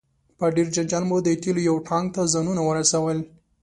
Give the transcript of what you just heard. په ډیر جنجال مو د تیلو یو ټانک ته ځانونه ورسول.